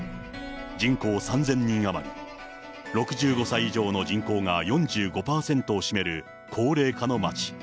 人口３０００人余り、６５歳以上の人口が４５％を占める高齢化の町。